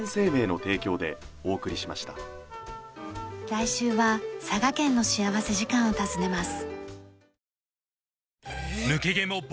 来週は佐賀県の幸福時間を訪ねます。